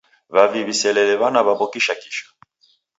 W'avi w'iselele w'ana w'aw'o kishakisha.